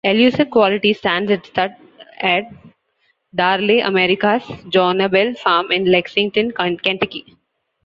Elusive Quality stands at stud at Darley America's Jonabell Farm in Lexington, Kentucky.